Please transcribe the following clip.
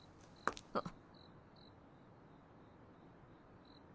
あっ。